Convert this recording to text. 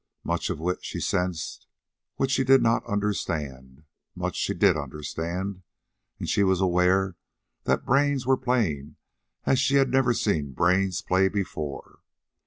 Much of wit she sensed which she did not understand. Much she did understand. And she was aware that brains were playing as she had never seen brains play before.